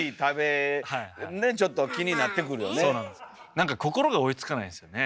なんか心が追いつかないですよね。